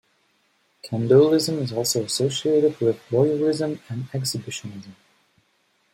Candaulism is also associated with voyeurism and exhibitionism.